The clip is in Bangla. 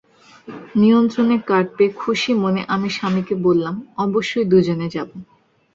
নিমন্ত্রণের কার্ড পেয়ে খুশি মনে আমি স্বামীকে বললাম, অবশ্যই দুজনে যাব।